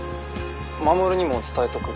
守にも伝えとく。